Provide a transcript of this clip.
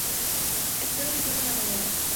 Espero disfruten la novela.